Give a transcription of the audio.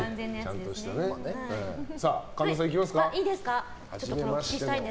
神田さん、いきますか。